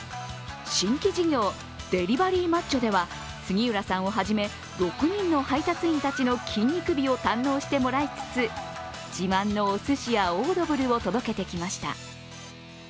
新規事業、デリバリーマッチョでは杉浦さんをはじめ６人の配達員たちの筋肉美を堪能してもらいつつ自慢のおすしやオードブルを届けてきました。